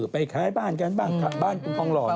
ไปขายบ้านกันบ้างบ้านคุณทองหล่อ